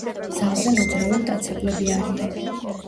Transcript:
ძალზე მოძრავი მტაცებლები არიან.